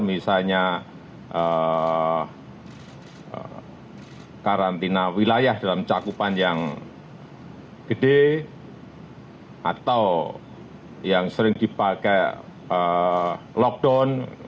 misalnya karantina wilayah dalam cakupan yang gede atau yang sering dipakai lockdown